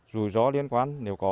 rủi rõ liên quan nếu có